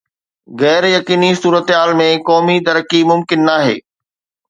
غير يقيني صورتحال ۾ قومي ترقي ممڪن ناهي